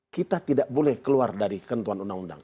kita tidak boleh keluar dari kentuhan undang undang